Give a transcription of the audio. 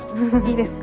いいですか？